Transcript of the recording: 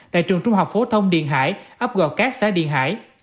tại trường trung học phố thông điền hải ấp gò cát xã điền hải